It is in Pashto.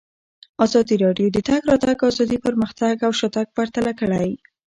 ازادي راډیو د د تګ راتګ ازادي پرمختګ او شاتګ پرتله کړی.